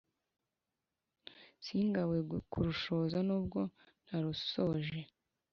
Singawe kurushoza N’ubwo ntarusoje